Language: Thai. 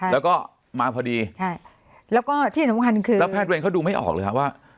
แล้วก็มาพอดีใช่แล้วก็ที่สำคัญคือแล้วแพทย์เวรเขาดูไม่ออกเลยฮะว่า